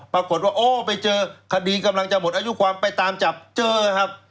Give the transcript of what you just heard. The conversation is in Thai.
ปรากฏว่าโอ้ไปเจอคดีกำลังจะหมดอายุความไปตามจับเจอครับ